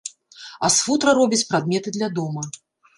А з футра робяць прадметы для дома.